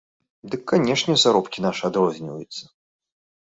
Дык канешне заробкі нашы адрозніваюцца!